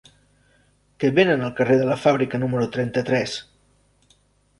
Què venen al carrer de la Fàbrica número trenta-tres?